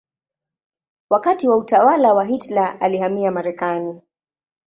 Wakati wa utawala wa Hitler alihamia Marekani.